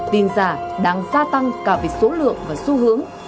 tin giả đang gia tăng cả về số lượng và xu hướng